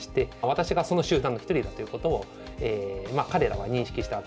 私がその集団の一人だということを彼らは認識したわけですね。